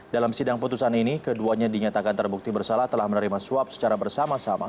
dalam sidang putusan ini keduanya dinyatakan terbukti bersalah telah menerima suap secara bersama sama